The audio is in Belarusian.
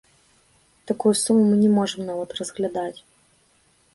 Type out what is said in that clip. Такую суму мы не можам нават разглядаць.